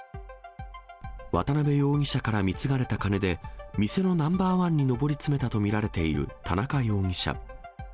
渡辺容疑者から貢がれた金で、店のナンバーワンにのぼりつめたと見られている田中容疑者。